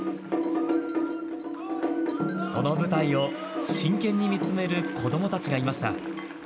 その舞台を真剣に見つめる子どもたちがいました。